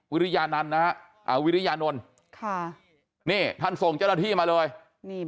วิริญาณนู้นอ๋อวิริญานณค่ะค่ะนี่ก็ส่งเจ้าหน้าที่มาเลยใบกระท่อม